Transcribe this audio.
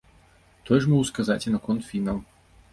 Тое ж магу сказаць і наконт фінаў.